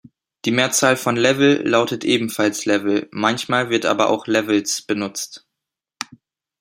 Die Mehrzahl von Level lautet ebenfalls Level, manchmal wird aber auch „Levels“ benutzt.